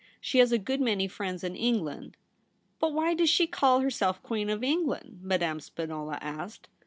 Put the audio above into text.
She has a good many friends in Eng land.' ' But why does she call herself Queen of England ?' Madame Spinola asked.